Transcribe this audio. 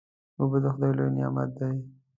اوبه د خدای لوی نعمت دی.